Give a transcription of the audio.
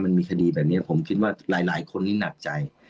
มันมีคดีแบบนี้ผมคิดว่าหลายคนนี้หนักใจ